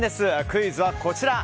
クイズはこちら。